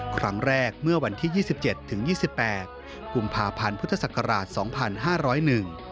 ครั้งแรกเมื่อวันที่๒๗ถึง๒๘กุมภาพันธ์พุทธศักราช๒๕๐๑